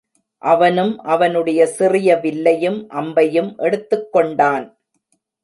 அவனும் அவனுடைய சிறிய வில்லையும் அம்பையும் எடுத்துக்கொண்டான்.